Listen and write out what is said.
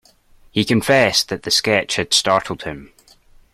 He confessed that the sketch had startled him.